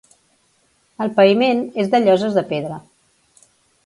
El paviment és de lloses de pedra.